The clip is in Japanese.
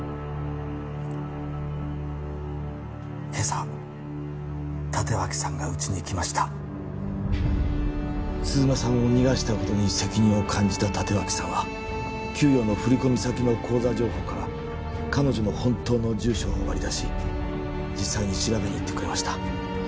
今朝立脇さんがうちに来ました鈴間さんを逃がしたことに責任を感じた立脇さんは給与の振り込み先の口座情報から彼女の本当の住所を割り出し実際に調べに行ってくれました